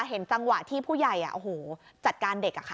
เห็นจังหวะที่ผู้ใหญ่จัดการเด็ก